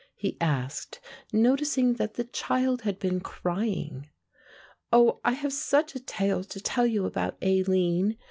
he asked, noticing that the child had been crying. "Oh, I have such a tale to tell you about Aline.